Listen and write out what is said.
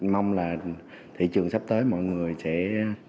mong là thị trường sắp tới mọi người sẽ cân bằng